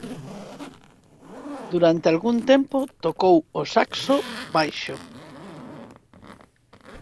Durante algún tempo tocou o saxo baixo.